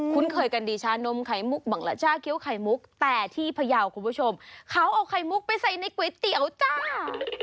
คุ้นเคยกันดีชานมไข่มุกบังระจ้าเกี้ยวไข่มุกแต่ที่พระยาของคุณผู้ชมเค้าเอาไข่มุกไปใส่ในก๋วยเตี๋ยวจ้า